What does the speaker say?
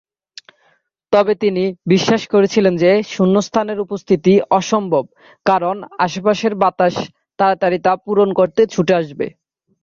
তবে তিনি বিশ্বাস করেছিলেন যে শূন্যস্থানের উপস্থিতি অসম্ভব কারণ আশেপাশের বাতাস তাড়াতাড়ি তা পূরণ করতে ছুটে আসবে।